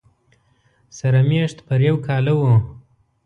سره مېشت پر یو کاله و